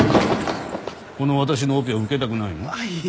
この私のオペを受けたくないの？